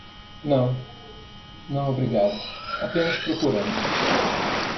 Não? não, obrigado? apenas procurando.